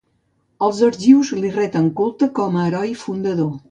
Els argius li retien culte com a heroi fundador.